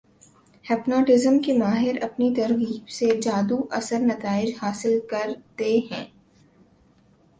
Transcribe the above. hypnotism کے ماہر اپنی ترغیب سے جادو اثر نتائج حاصل کرتے ہیں